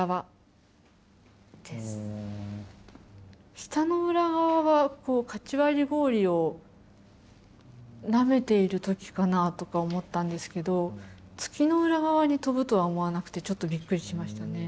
「舌の裏側」はカチ割り氷をなめている時かなとか思ったんですけど「月の裏側」に飛ぶとは思わなくてちょっとびっくりしましたね。